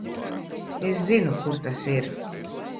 Es zinu, kur tas ir.